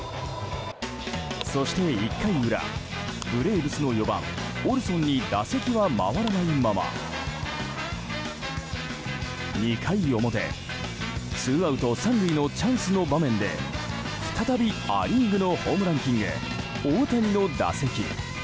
そして１回裏ブレーブスの４番オルソンに打席は回らないまま２回表、ツーアウト３塁のチャンスの場面で再びア・リーグのホームランキング、大谷の打席。